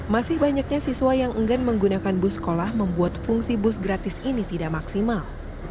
masih banyaknya siswa yang enggan menggunakan bus sekolah membuat fungsi bus gratis ini tidak maksimal